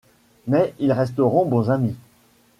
Mais ils resteront bons amis.